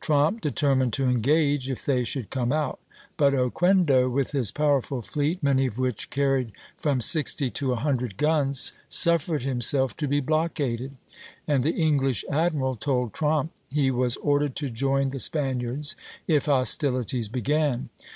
Tromp determined to engage if they should come out; but Oquendo with his powerful fleet, many of which carried from sixty to a hundred guns, suffered himself to be blockaded; and the English admiral told Tromp he was ordered to join the Spaniards if hostilities began.